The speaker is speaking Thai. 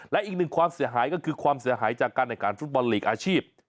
และอีกหนึ่งความเสียหายก็คือความเสียหายจากการในการฟุตบอลลีกอาชีพ